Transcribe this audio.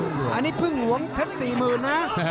อันนี้พึ่งหวงเท็จสี่หมื่นนะ